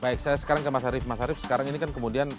baik saya sekarang ke mas arief mas arief sekarang ini kan kemudian